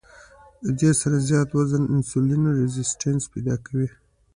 د دې سره زيات وزن انسولين ريزسټنس پېدا کوي